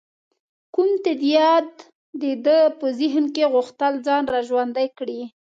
کوم تت یاد د ده په ذهن کې غوښتل ځان را ژوندی کړي.